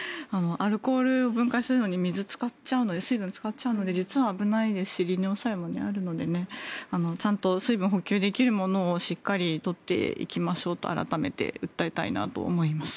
アルコールを分解するのに水分を使っちゃうので実は危ないですし利尿作用もあるのでねちゃんと水分補給できるものをしっかり取っていきましょうと改めて訴えたいなと思います。